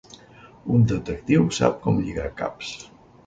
Un detectiu sap com lligar caps.